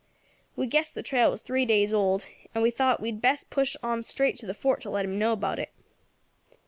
We guessed the trail was three days old, and we thought we had best push on straight to the fort to let them know about it.